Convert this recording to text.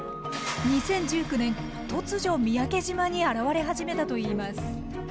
２０１９年突如三宅島に現れ始めたといいます。